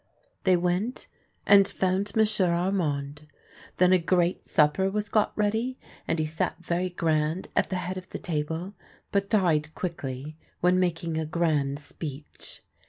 They went and found M'sieu' Armand. Then a great supper was got ready, and he sat very grand at the head of the table, but died quickly, when making a grand speech.